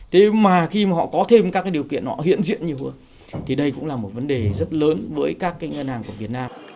thế mà khi họ có thêm các điều kiện họ hiện diện nhiều hơn thì đây cũng là một vấn đề rất lớn với các ngân hàng của việt nam